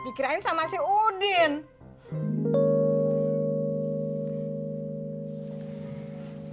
tapi iya udin udah ntar loin diningnya aja